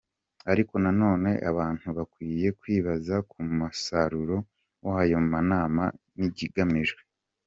Ariko na none abantu bakwiye kwibaza ku musaruro w’ayo manama n’ikigamijwe.